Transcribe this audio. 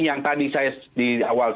yang tadi saya di awal